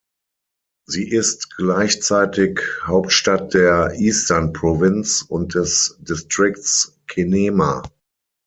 Sie ist gleichzeitig Hauptstadt der Eastern-Provinz und des Distrikts Kenema.